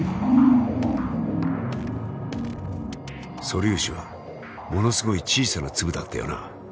素粒子はものすごい小さな粒だったよな。